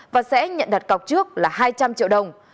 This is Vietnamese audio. và sẽ nhận đặt cọc trước là hai trăm linh triệu đồng